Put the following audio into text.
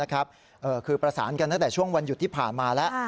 คือประสานกันตั้งแต่ช่วงวันหยุดที่ผ่านมาแล้ว